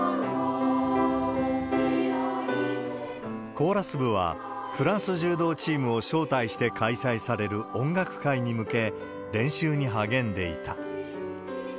コーラス部は、フランス柔道チームを招待して開催される音楽会に向け、練習に励んでいた。